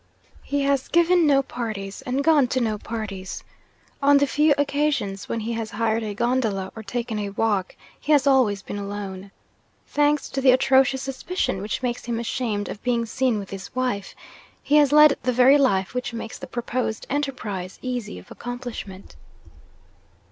He has given no parties, and gone to no parties. On the few occasions when he has hired a gondola or taken a walk, he has always been alone. Thanks to the atrocious suspicion which makes him ashamed of being seen with his wife, he has led the very life which makes the proposed enterprise easy of accomplishment.